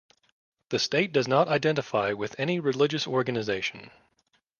The state does not identify with any religious organization.